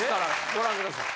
ご覧ください。